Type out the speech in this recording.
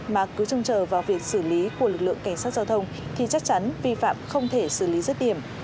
mà cứ trông chờ vào việc xử lý của lực lượng cảnh sát giao thông thì chắc chắn vi phạm không thể xử lý rất điểm